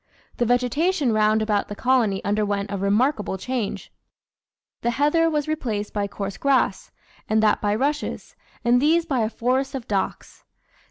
The vegetation round about the colony underwent a remarkable change; the heather was replaced by coarse grass, and that by rushes, and these by a forest of docks.